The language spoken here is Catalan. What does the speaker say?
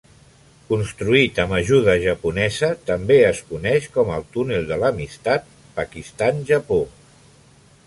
Construït amb ajuda japonesa, també es coneix com el Túnel de l'Amistat Pakistan-Japó.